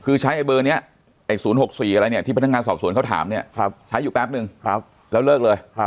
คือใช้ไอเบอร์นี้ไอ้๐๖๔อะไรเนี่ยที่พนักงานสอบสวนเขาถามเนี่ยใช้อยู่แป๊บนึงแล้วเลิกเลย